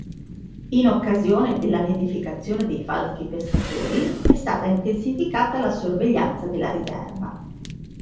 In occasione della nidificazione dei falchi pescatori, è stata intensificata la sorveglianza della riserva.